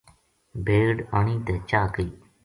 بھیڈ آنی تے چاہ کئی۔